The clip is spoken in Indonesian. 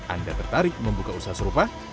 anda tertarik membuka usaha serupa